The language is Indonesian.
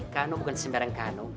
kano bukan sembarang kano